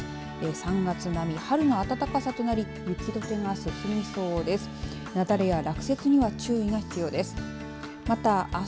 ３月並み、春の暖かさとなり雪どけが進みそうです。